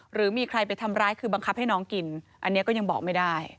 หรือมีใครไปทำร้ายคือบังคับให้น้องกินอันนี้ก็ยังบอกไม่ได้